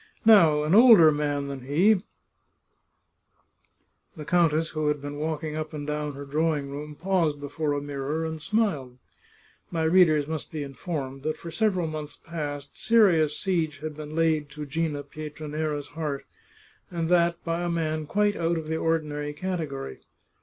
Now, an older man than he " The countess, who had been walking up and down her drawing room, paused before a mirror, and smiled. My readers must be informed that for several months past seri ous siege had been laid to Gina Pietranera's heart, and that by a man quite out of the ordinary category.